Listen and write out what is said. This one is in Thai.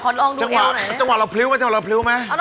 นี่